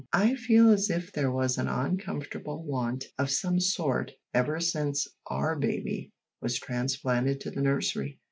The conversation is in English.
I feel as if there was an uncomfortable want of some sort ever since our baby was transplanted to the nursery.